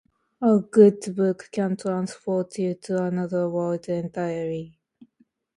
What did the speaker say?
A good book can transport you to another world entirely.